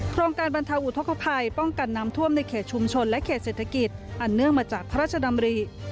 โครงการบรรเทาอุทธกภัยป้องกันน้ำท่วมในเขตชุมชนและเขตเศรษฐกิจอันเนื่องมาจากพระราชดำริ